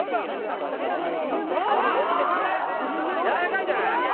やわらかいんじゃない？